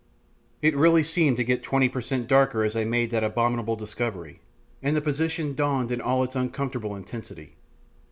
It really seemed to get twenty per cent darker as I made that abominable discovery, and the position dawned in all its uncomfortable intensity.